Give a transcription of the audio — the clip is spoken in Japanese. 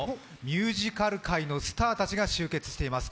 ミュージカル界のスターたちが集結しています。